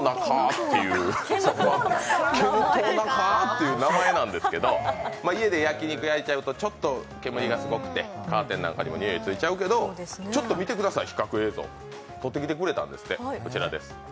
けむとうなかぁっていう名前なんですけど、家で焼き肉を焼いちゃうとちょっと煙がすごくてカーテンなんかにも臭いついちゃうけど、ちょっと見てください、比較映像撮ってきてくれたんですって。